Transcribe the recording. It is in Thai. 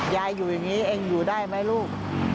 อยู่อย่างนี้เองอยู่ได้ไหมลูก